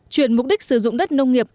chuyển mục đích sử dụng đất nông nghiệp